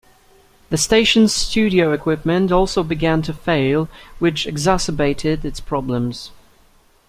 The station's studio equipment also began to fail, which exacerbated its problems.